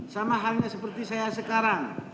sama halnya seperti saya sekarang